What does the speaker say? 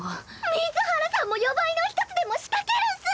水原さんも夜ばいの一つでも仕掛けるっス！